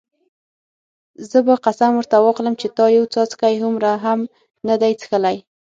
زه به قسم ورته واخلم چې تا یو څاڅکی هومره هم نه دی څښلی.